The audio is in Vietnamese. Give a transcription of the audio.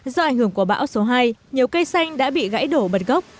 do ảnh hưởng của bão số hai nhiều cây xanh đã bị gãy đổ bật gốc